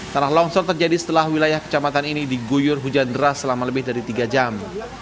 tanah longsor terjadi setelah wilayah kecamatan ini diguyur hujan deras selama lebih dari tiga jam